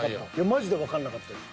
マジでわからなかったです。